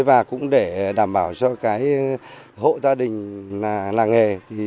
và cũng để đảm bảo cho cái hộ gia đình làng nghề